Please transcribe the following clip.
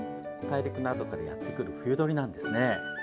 大陸などからやってくる冬鳥なんですね。